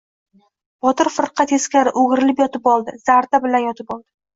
Botir firqa teskari o‘girilib yotib oldi. Zarda bilan yotib oldi.